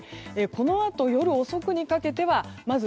このあと、夜遅くにかけてはまず